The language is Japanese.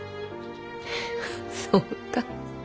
そうか。